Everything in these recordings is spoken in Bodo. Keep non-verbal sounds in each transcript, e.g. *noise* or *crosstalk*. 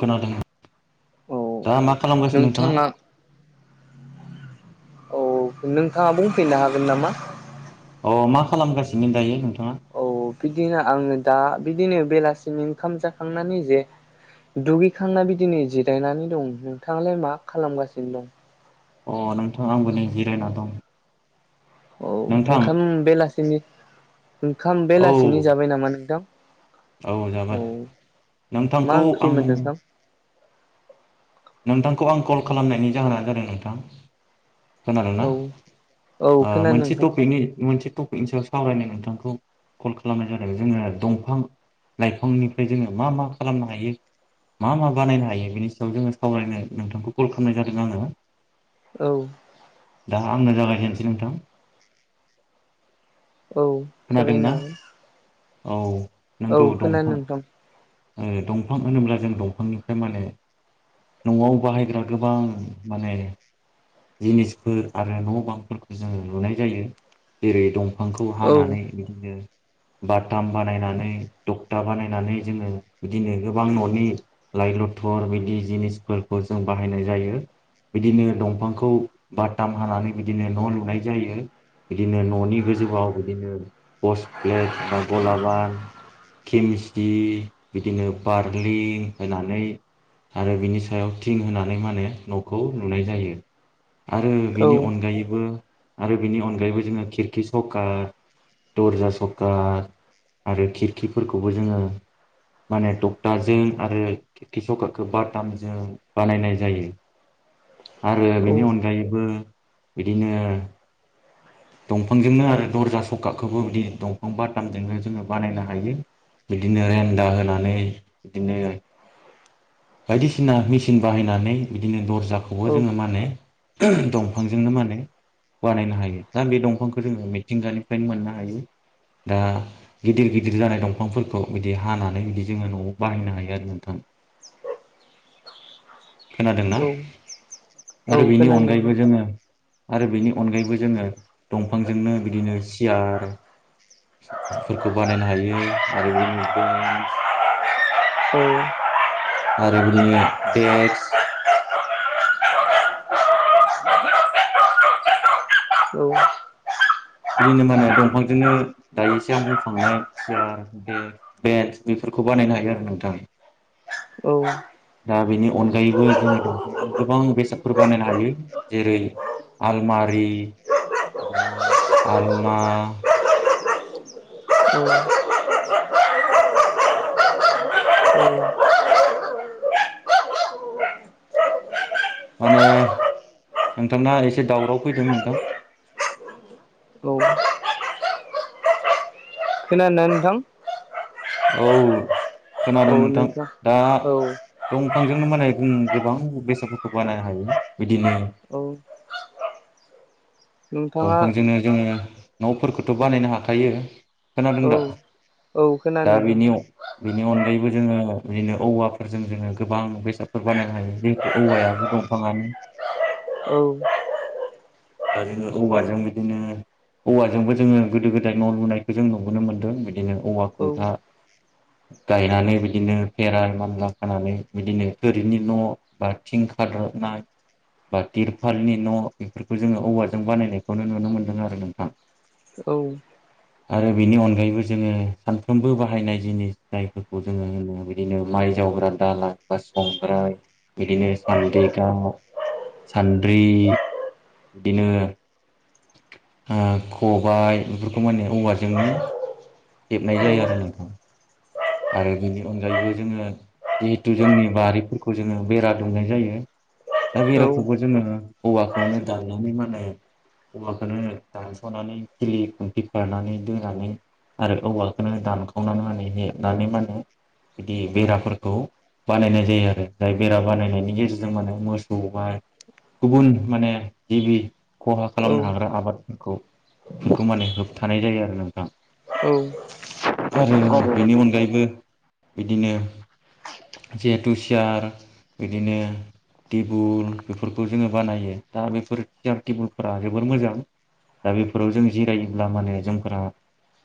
खोनादों औ दा मा खालामगासिनो नोंथाङा? औ नोंथाङा बुंफिन्नो हागोन नामा? अ मा खालामगासिनो दायो नोंथाङा? ओ बिदिनो आङो दा बिदिनो बेलासिनि ओंखाम जाखांनानै जे दुगैखांना बिदिनो जिरायनानै दं नोंथाङालाय मा खालामगासिनो दं? अ नोंथां आंबो नै जिरायना दं। औ नोंथां ओंखाम बेलासिनि ओंखाम औ बेलासिनि जाबाय नामा नोंथां? औ जाबाय औ मा नोंथांखौ आं ओंख्रिमोन नोंथां? नोंथांखौ आं कल खालामनायनि जाहोनानो जादों नोंथां। खोनादोंना? औ औ ओ खोनादों मोनसे नोंथां टपिकनि मोनसे टपिकनि सायाव सावरायनो नोंथांखौ कल खालामनाय जादों जोंनि दंफां लाइफांनिफ्राय जोङो मा मा खालामनो हायो मा मा बानायनो हायो बिनि सायाव जोङो सावलरायनो नोंथांखौ कल खालामनाय जादों आङो। औ दा आंनो जागायजेन्नोसै नोंथां। औ जागायनो खोनादोंना हागोन औ औ नंगौ खोनादों दंफां नोंथां ओ दंफां होनोब्ला जों दंफांनिफ्राय माने न'आव बाहायग्रा गोबां माने जिनिसफोर आरो न' बांफोरखौ जोङो लुनाय जायो। जेरै दंफांखौ औ हानानै बिदिनो बाथाम बानायनानै था बानायनानै जोङो बिदिनो गोबां न'नि लाइ लथर बिदि जिनिसफोरखौ जों बाहायनाय जायो बिदिनो दंफांखौ खौ बाटाम हानानै बिदिनो न' लुनाय जायो। बिदिनो न'नि गोजौआव बिदिनो पस् प्लेट बा गलाबान केमस् बिदिनो बार्लिं होनानै आरो बिनि सायाव थिं होनानै माने न'खौ लुनाय जायो। आरो औ बिनि अनगायैबो आरो बिनि अनगायैबो जोङो खिरखि सकाठ दर्जा सखाठ आरो खिरखिफोरखौबो जोङो माने तकथाजों आरो खारखि बाटामजों बानायनाय जायो। आरो औ बेनि अनगायैबो बिदिनो दंफांजोंनो आरो दरजा सखाठखौबो बिदि दंफां बादामजोंनो जोङो बानायनो हायो‌। बिदिनो रेन्दा होनानै बिदिनो बायदिसिना मेसिन बाहायनानै बिदिनो दर्जाखौबो औ जोङो मा माने दंफांजोंनो माने बानायनो हायो दा बे दंफांखौ जोङो मिथिंगानिफ्रायनो मोननो हायो। दा गिदिर गिदिर जानाय दंफांफोरखौ बिदि हानानै बिदि जोङो न'आव बाहायनो हायो आरो नोंथां। खोनादोंना? औ औ आरो बेनि खोनादों अनगायैबो जोङो आरो बेनि अनगायैबो जोङो दंफांजोंनो बिदिनो सियार फोरखौ बानायनो हायो आरो बिदिनो बेन्स *unintelligible* आरो बिदिनो देक्स औ औ बिदिनो मा होनो दंफांजोंनो दायो एसे आं बुंखांनाय सियार देस्क बेन्स बेफोरखौ बानायनो हायो आरो नोंथां औ दा बेनि अनगायैबो जोङो दंफां गोबां बेसादफोर बानायनो हायो जेरै आलमारि बिदिनो आलना *unintelligible* माने नोंथांना एसे दावराव फैदों नोंथां औ खोनादोंना नोंथां? औ खोनादों नोंथां दा औ दंफांजोंनो माने गोबां बेसादफोरखौ बानायनो हायो बिदिनो औ नोंथाङा दंफांजोंनो जोङो न'फोरखौथ' औ बानायनो हाखायो औ खोनादों दा? औ दा खोनादों बेनि नोंथां बेनि अनगायैबो जोङो बिदिनो औवाफोरजों जोङो गोबां बेसादफोर बानायनो हायो। औवायाबो दंफाङानो औ आरो औवाजों बिदिनो औवाजोंबो जोङो गोदो गोदाय न' लुनायखौ जों नुबोनो मोन्दों। बिदिनो औवा औ खुन्था गायनानै बिदिनो भेरान मानला खानै बिदिनो थोरिनि न' बा थिं खाद्रबनाय बा तिरपालनि न' बेफोरखौ जोङो औवा जों बानायनायखौनो नुनो मोन्दों आरो नोंथां। औ औ आरो बेनि अनगायैबो जोङो सानफ्रोमबो बाहायनाय जिनिस जायफोरखौ जोङो होनो बे बिदिनो माइ जावग्रा दाला बा संग्राय बिदिनो सान्द्रिगाव सान्द्रि बिदिनो ओ खबाय बेफोरखौ मान होने औवारजोंनो हेबनाय औ जायो आरो नोंथां। आरो बेनि अनगायैबो जोङो जिहेथु जोंनि बारिफोरखौ जोङो बेरा दुमनाय जायो। दा औ औ बेराखौबो जोङो औवाखौनो दाननानै माने औवाखौनो दानस'नानै खिलि खुन्थि फारनानै दोनानै आरो औवाखौनो दानखावनानै माने हेबनानै माने बिदि बेराफोरखौ बानायनाय जायो आरो जाय बेरा बानायनायनि गेजेरजों माने मोसौ माइ गुबुन माने गिबि खहा खालामनो हाग्रा आबादफोरखौ फोरखौ माने होबथानाय जायो आरो नोंथां औ आरो बेनि अनगायैबो बिदिनो जिहेथु सियार बिदिनो टेबोल बेफोरखौ जोङो बानायो दा बेफोर सियार टेबोलफोरा जोबोर मोजां। दा बेफोराव जों जिरायोब्ला माने जोंफोरा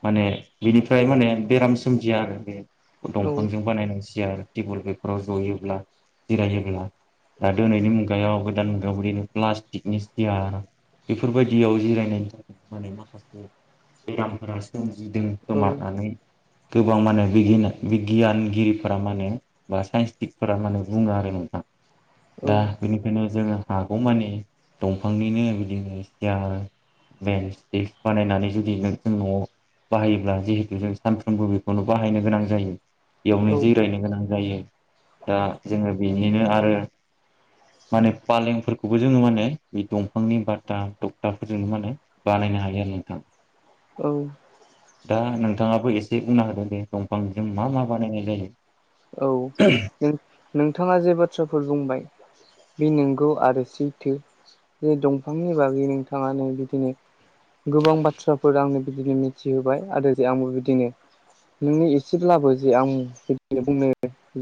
माने बेनिफ्राय माने बेराम सोमजिया आरो बे दंफांजों बानायनाय सियार टेबोल बेफोराव जयोब्ला जिरायोब्ला‌। दा दिनैनि मुगायाव गोदान मुगायाव बिदिनो प्लास्टिकनि सियार बेफोरबायदियाव जिरायनायनि थाखाय माने माखासे बेरामफोरा सोमजिदों खोमा होननानै गोबां माने बि बिगियानगिरिफोरा माने बा साइन्सटिकफोरा माने बुङो आरो नोंथां। दा बेनिखायनो जोङो हागौमानि दंफांनिनो बिदिनो सियार *unintelligible* बानायनानै जुदि नों जों न'आव बाहायोब्ला जिहेथु जों सानफ्रोमबो खौनो बाहायनो गोनां जायो बेयावनो जिरायनो गोनां जायो। दा जोङो बेनिनो आरो माने पालेंफोरखौबो जोङो माने बे दंफांनि बाताम टक्थाफोरजोंनो माने बानायनो हायो आरो नोंथां। औ। दा नोंथाङाबो एसे बुंना होदो दे दंफांजों मा मा बानायनाय जायो? नोंथाङा जे बाथ्राफोर बुंबाय बे नोंगौ आरो सैथो जे दंफांनि बागै नोंथाङानो बिदिनो गोबां बाथ्राफोर आंनो बिदिनो मिथिहोबाय आरो जे आंबो बिदिनो नोंनि एसेब्लाबो जे आं बि बुंनो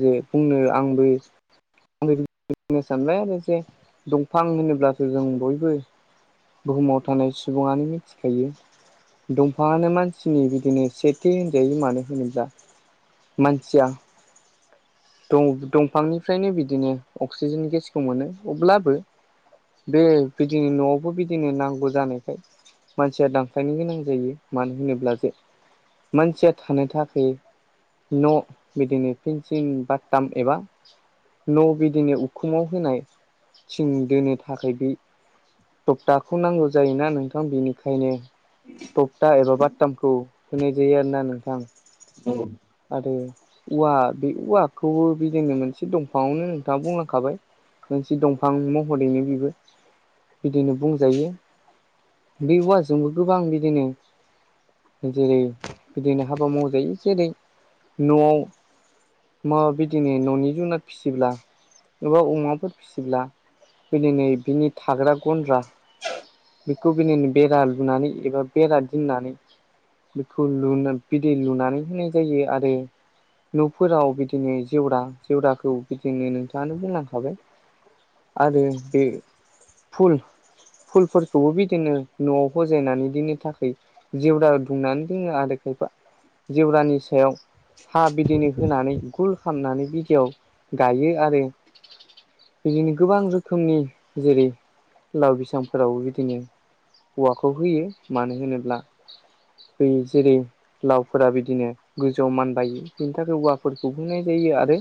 जे बुंनो आंबो आं बुंनो सानबाय आरो जे दंफां होनोब्लासो जों बयबो बुहुमाव थानाय सुबुङानो मिथिखायो। दंफाङानो मानसिनि बिदिनो सेथि होनजायो मानो होनोब्ला मानसिया दं दंफांनिफ्रायनो बिदिनो अक्सिजेन गेसखौ मोनो। अब्लाबो बे बिदिनो न'आवबो बिदिनो नांगौ जानायखाय मानसिया दानफायनो गोनां जायो। मानो होनोब्ला जे मानसिया थानो थाखाय न' बिदिनो पेन्सिं बा टाम एबा न' बिदिनो उखुमाव होनाय थिं दोनो थाखाय बै टक्टाखौ नांगौ जायोना नोंथां बेनिखायनो टक्टा एबा बाटामखौ होनाय जायो आरो ना नोंथां। औ। आरो उवा बे उवा खौ बिदिनो मोनसे दंफाङावनो नोंथाङा बुंलांखाबाय। मोनसे दंफां महरैनो बिबो बिदिनो बुंजायो। बे औवाजोंबो गोबां बिदिनो जेरै बिदिनो हाबा मावजायो जेरै न'आव *unintelligible* बिदिनो न'नि जुनाद फिसिब्ला एबा अमाफोर फिसिब्ला बिदिनो बिनि थाग्रा गन्द्रा *inaudible* बेखौ बिनिनो बेरा लुनानै एबा बेरा दिननानै बेखौ लु बिदै लुनानै होनाय जायो आरो न'फोराव बि बिदिनो जेवरा जेवराखौ बिदिनो नोंथाङानो बुंलांखाबाय। आरो बे फुल फुलफोरखौबो बिदिनो न'आव फजायनानै दोननो थाखै जेवरा दुंनानै दोनो आरो खायफा जेवरानि सायाव हा बिदिनो होनानै गुल खामनानै बिगियाव गायो आरो। बिदिनो गोबां रोखोमनि जेरै लाव बिसांफोरावबो बिदिनो औवाखौ होयो मानो होनोब्ला होयो जेरै लावफोरा बिदिनो गोजौआव मान बायो बिनि थाखाय औवाफोर खौ हुंनाय जायो आरो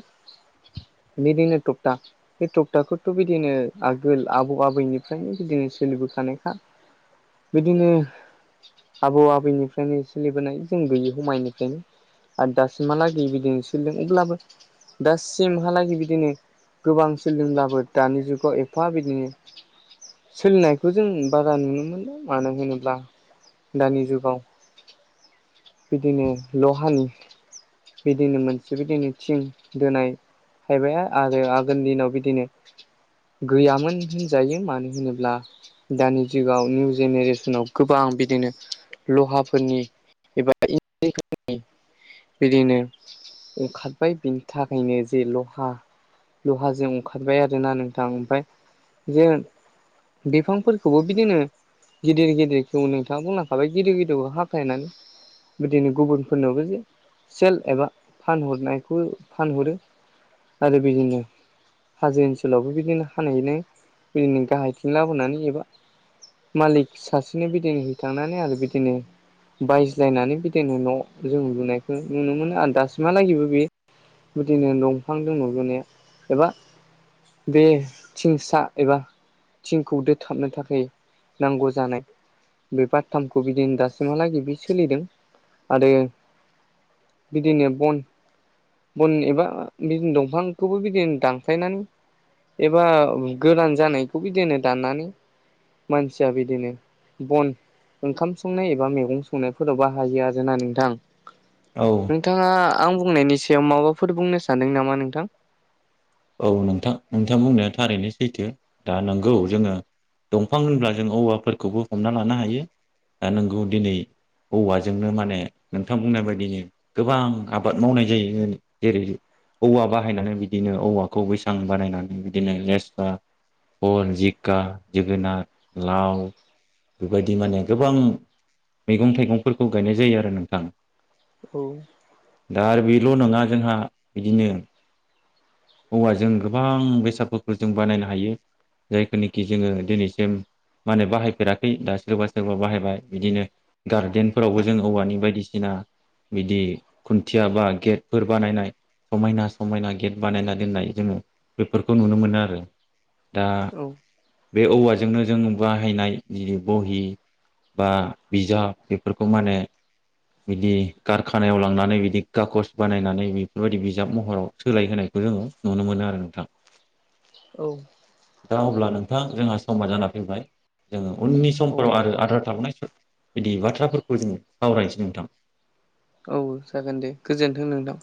बिदिनो टकटा बे टकटाखौथ' बिदिनो आगोल आबौ, आबैनिफ्रायनो बिदिनो सोलिबोखानायखा। बिदिनो आबौ आबैनिफ्रायनो सोलिबोनाय जों गैयो हमायनिफ्रायनो। आरो दासिमहालागै बिदिनो सोलों अब्लाबो दासिमहालागै बिदिनो गोबां सोलोंब्लाबो दानि जुगाव एफा बिदिनो सोलिनायखौ जों बारा नुनो मोनला मानो होनोब्ला दानि जुगाव। बिदिनो लहानि बिदिनो मोनसे। बिदिनो थिं दोनाय थायबाया आगाय आरो आगोलनि दिनाव बिदिनो। गैयामोन होनजायो मानो होनोब्ला। दानि जुगाव निउ जेनेरेसनाव गोबां बिदिनो लहाफोरनि। *unintelligible* बिदिनो ओंखारबाय बिनि थाखायनो जे लहा लहाजों ओंखारबाय आरो ना नोंथां ओमफ्राय। बिफांफोरखौबो बिदिनो। गिदिर, गिदिरखौ नोंथाङा बुंलांखाबाय गिदिर गिदिरखौ हाख्लायनानै। बिदिनो गुबुनफोरनावबो जे सेल एबा फानहरनायखौ फानहरो। आरो बिदिनो। हाजो ओनसोलावबो बिदिनो हानायनो बिदिनो गाहायथिं लाबोनानै एबा। मालिक सासेनो बिदिनो है थांनानै आरो बिदिनो। बायज्लायनानै बिदिनो न' जों लुनायखौ नुनो मोनो आरो दासिम मालायनिबो बे बिदिनो दंफां दङ एबा बे थिंसा एबा। थिंखौ दोथाबनो थाखाय नांगौ जानाय। बे बाथथामखौ बिदिनो दासिमहालागै बे सोलिदों। आरो बिदिनो। बन, बन एबा बिदिनो दंफांखौबो बिदिनो दानख्लायनानै। एबा गोरान जानायखौबो बिदिनो दाननानै। मानसिया बिदिनो बन। ओंखाम संनाय एबा मैगं संनायफोरावबाहायो आरो ना नोंथां। औ। नोंथाङा आं बुंनायनि सायाव माबाफोर बुंनो सानदों नामा नोंथां? औ नोंथां, नोंथां बुंनाया थारैनो सैथो दा नोंगौ जोंङो। दंफां होनब्ला जों औवाफोरखौबो हमना लानो हायो दा नोंगौ दिनै। औवाजोंनो माने नोंथां बुंनाय बायदिनो। गोबां आबाद मावनाय जायो जेरै औवा बाहायनानै बिदिनो औवाखौ खौ बैसां बानायनानै बिदिनो लेस्रा। भल, जिका, जोगोनार, लाव। बेबायदि माने गोबां मैगं-थाइगंफोरखौ गायनाय जायो आरो नोंथां। औ। दा आरो बेल' नङा जोंहा बिदिनो। औव जों गोबां बेसादफोरखौ जों बानायनो हायो जायखोनिखि जोंङो दिनैसिम। मानो बाहायफेराखै दा सोरबा, सोरबा बाहायबाय बिदिनो। गार्देनफोरावबो जों औवानि बायदिसिना। बिदि खुन्थिया बा गेटफोर बानायनाय समायना-समायना गेट। बानायना दोननाय जोंङो बेफोरखौ नुनो मोनो आरो दा। बे औवाजोंनो जों बाहायनाय जि बहि। बा बिजाब बेफोरखौ माने बिदि कारखानायाव लांनानै बिदि कागस बानायनानै बेफोरबायदि बिजाब महराव सोलायहोनाय बेखौ जोंङो नुनो मोनो आरो नोंथां औ दा अब्ला नोंथां जोंहा समा जाना फैबाय। जोंङो उननि औ समफोराव आरो आद्रा थाबनाय बिदि बाथ्राफोरखौ जों सावरायनोसै नोंथां। औ जागोन दे गोजोन्थों नोंथां।